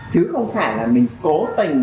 chứ không phải là mình cố tình